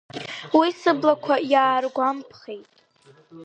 Уи сыблақәа иааргәамԥхеит.